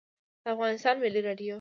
د افغانستان ملی رادیو